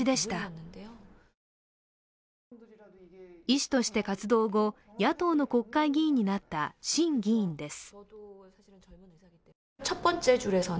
医師として活動後、野党の国会議員になったシン議員です。